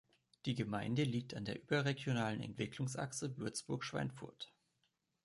Die Gemeinde liegt an der überregionalen Entwicklungsachse Würzburg–Schweinfurt.